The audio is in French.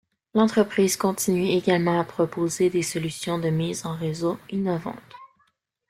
L’entreprise continue également à proposer des solutions de mise en réseau innovantes.